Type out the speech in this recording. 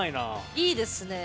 いいですねえ。